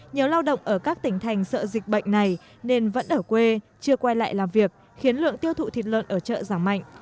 nhiều lao động ở các tỉnh thành sợ dịch bệnh này nên vẫn ở quê chưa quay lại làm việc khiến lượng tiêu thụ thịt lợn ở chợ giảm mạnh